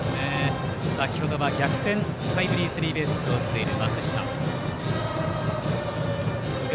先ほどは逆転タイムリースリーベースヒットを打っています。